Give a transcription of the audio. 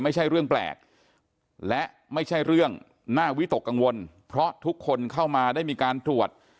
ไม่ใช่เรื่องแปลกและไม่ใช่เรื่องน่าวิตกกังวลเพราะทุกคนเข้ามาได้มีการตรวจ